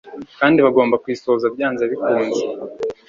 kandi bagomba kuyisohoza byanze bikunze.